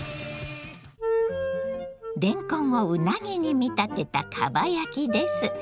れんこんをうなぎに見立てたかば焼きです。